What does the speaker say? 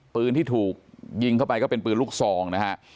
ปืนที่ถูกยิงเข้าไปก็เป็นปืนลูกซองนะฮะ